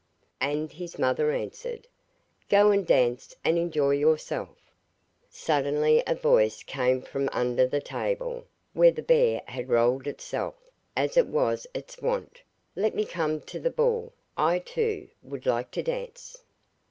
And his mother answered, 'Go and dance, and enjoy yourself.' Suddenly a voice came from under the table, where the bear had rolled itself, as was its wont: 'Let me come to the ball; I, too, would like to dance.